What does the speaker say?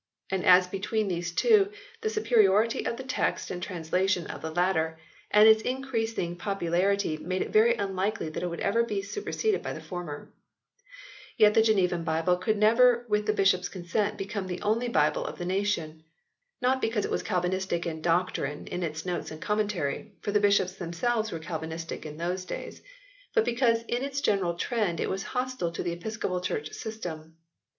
And as be tween these two, the superiority of the text and translation of the latter and its increasing popularity made it very unlikely that it would ever be superseded by the former. Yet the Genevan Bible could never with the Bishops consent become the only Bible of the nation. Not because it was Calvinistic in doctrine in its notes and commentary, for the bishops them selves were Calvinistic in those days, but because in its general trend it was hostile to the episcopal church system.